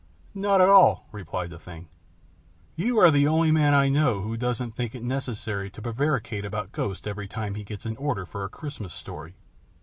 "Not at all," replied the Thing; "you are the only man I know who doesn't think it necessary to prevaricate about ghosts every time he gets an order for a Christmas story.